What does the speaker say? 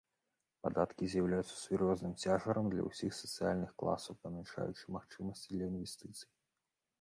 Падаткі з'яўляюцца сур'ёзным цяжарам для ўсіх сацыяльных класаў, памяншаючы магчымасці для інвестыцый.